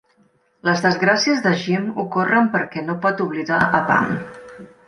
Les desgràcies de Jim ocorren perquè no pot oblidar a Pam.